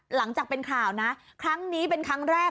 หลังจากเป็นข่าวนะครั้งนี้เป็นครั้งแรก